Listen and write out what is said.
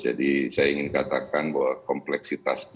jadi saya ingin katakan bahwa kompleksitasnya